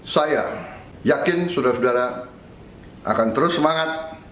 saya yakin saudara saudara akan terus semangat